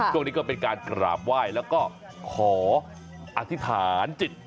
ช่วงนี้ก็เป็นการกราบไหว้แล้วก็ขออธิษฐานจิต